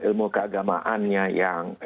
ilmu keagamaan yang